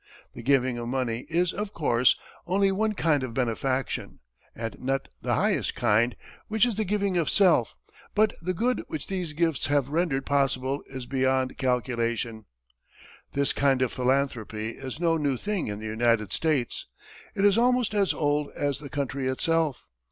The giving of money is, of course, only one kind of benefaction, and not the highest kind, which is the giving of self; but the good which these gifts have rendered possible is beyond calculation. [Illustration: GIRARD] This kind of philanthropy is no new thing in the United States. It is almost as old as the country itself.